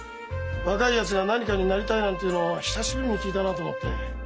若いやつが何かになりたいなんて言うの久しぶりに聞いたなあと思って。